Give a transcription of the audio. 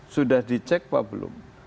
sudah dicek apa belum